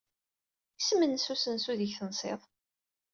Isem-nnes usensu aydeg tensid?